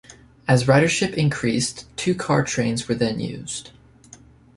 As ridership increased, two-car trains were then used.